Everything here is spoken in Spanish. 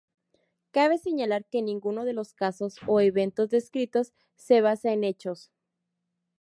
Cabe señalar que ninguno de los casos o eventos descritos se basa en hechos.